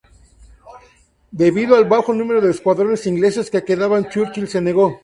Debido al bajo número de escuadrones ingleses que quedaban, Churchill se negó.